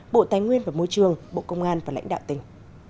bộ tài nguyên và môi trường bộ công an và lãnh đạo tỉnh